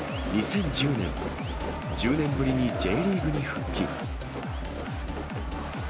２０１０年、１０年ぶりにＪリーグに復帰。